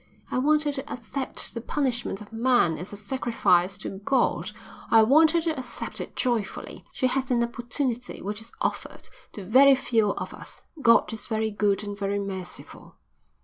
I want her to accept the punishment of man as a sacrifice to God. I want her to accept it joyfully. She has an opportunity which is offered to very few of us. God is very good and very merciful."